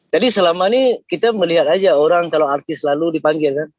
selama ini kita melihat aja orang kalau artis lalu dipanggil kan